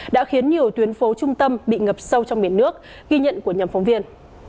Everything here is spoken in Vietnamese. đã khiến nhiều tuyến phố trung tâm bị ngập sâu trong biển nước ghi nhận của nhóm phóng viên